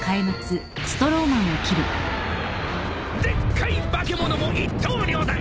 ［でっかい化け物も一刀両断！］